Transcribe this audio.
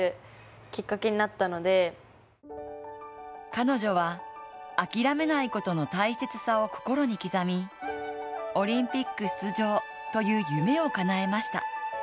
彼女は諦めないことの大切さを心に刻みオリンピック出場という夢をかなえました。